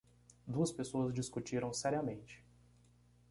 Duas pessoas discutiram seriamente